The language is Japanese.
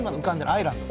アイランド。